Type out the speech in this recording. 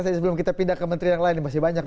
sebelum kita pindah ke menteri yang lain pasti banyak